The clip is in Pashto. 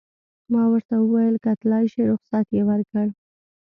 ما ورته وویل: ته تلای شې، رخصت یې ورکړ.